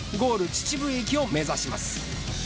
秩父駅を目指します。